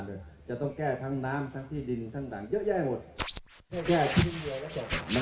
เมืองอัศวินธรรมดาคือสถานที่สุดท้ายของเมืองอัศวินธรรมดา